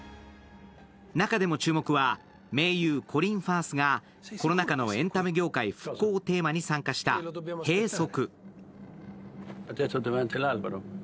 中でも注目は名優コリン・ファースがコロナ禍のエンタメ業界復興をテーマにした「閉塞」。